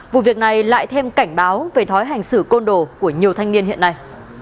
vụ việc này lại thêm cảnh báo về thói hành xử côn đồ của nhiều thanh niên hiện nay